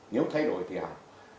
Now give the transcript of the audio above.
nếu thay đổi thì hẳn